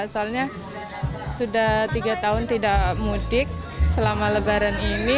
soalnya sudah tiga tahun tidak mudik selama lebaran ini